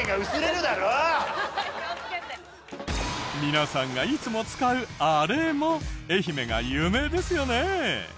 皆さんがいつも使うあれも愛媛が有名ですよね。